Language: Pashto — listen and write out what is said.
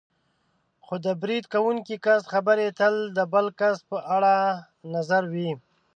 خو د برید کوونکي کس خبرې تل د بل کس په اړه نظر وي.